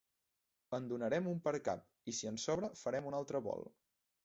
En donarem un per cap, i si en sobra farem un altre volt.